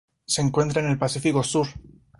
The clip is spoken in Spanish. Se encuentra en el Pacífico sur.